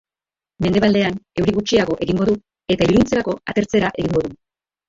Mendebaldean euri gutxiago egingo du, eta iluntzerako atertzera egingo du.